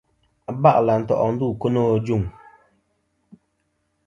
Aba'lɨ à nto' ndu ku no.